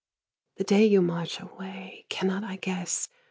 The day you march away cannot I guess?